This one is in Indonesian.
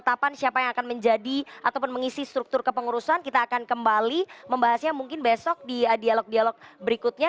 kapan siapa yang akan menjadi ataupun mengisi struktur kepengurusan kita akan kembali membahasnya mungkin besok di dialog dialog berikutnya